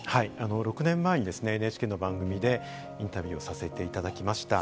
６年前にＮＨＫの番組でインタビューをさせていただきました。